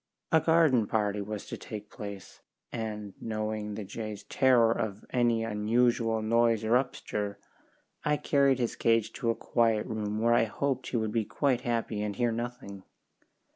A garden party was to take place, and knowing the jay's terror of any unusual noise or upstir, I carried his cage to a quiet room where I hoped he would be quite happy and hear nothing.